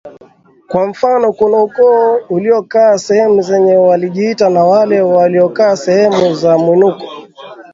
Kwa mfano kuna ukoo uliokaa sehemu zenye walijiita na wale waliokaa sehemu za mwinuko